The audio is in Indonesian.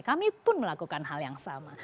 kami pun melakukan hal yang sama